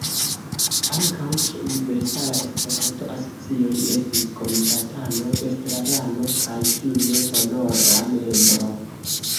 Ankaŭ ĉe Universala Esperanto-Asocio li estis komitatano, estrarano kaj fine Honora Membro.